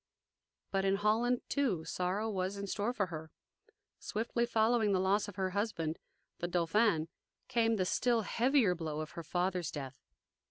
But in Holland, too, sorrow was in store for her. Swiftly following the loss of her husband, the Dauphin, came the still heavier blow of her father's death.